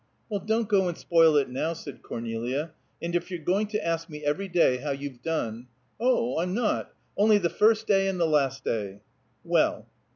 "Well, don't go and spoil it now," said Cornelia. "And if you're going to ask me every day how you've done " "Oh, I'm not! Only the first day and the last day!" "Well!"